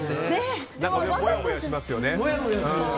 もやもやしますよね。